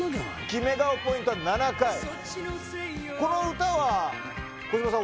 キメ顔ポイントは７回この歌は小芝さん